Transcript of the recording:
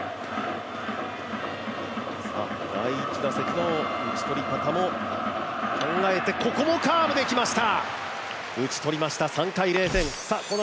第１打席のうち取り方も考えて、ここもカーブできました！